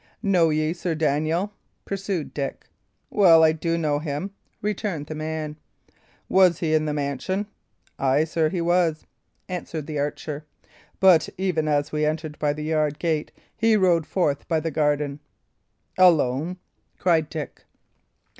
"Know ye Sir Daniel?" pursued Dick. "Well do I know him," returned the man. "Was he in the mansion?" "Ay, sir, he was," answered the archer; "but even as we entered by the yard gate he rode forth by the garden." "Alone?" cried Dick.